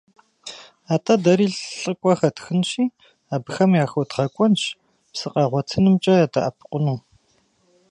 АтӀэ дэри лӀыкӀуэ хэтхынщи, абыхэм яхуэдгъэкӀуэнщ псы къагъуэтынымкӀэ ядэӀэпыкъуну.